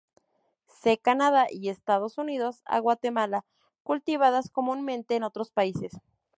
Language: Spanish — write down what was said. S. Canadá y Estados Unidos a Guatemala; cultivadas comúnmente en otros países.